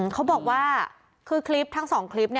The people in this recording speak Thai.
ก็บอกว่าคือทั้ง๒คลิป